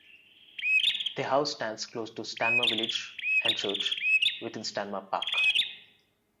The house stands close to Stanmer village and Church, within Stanmer Park.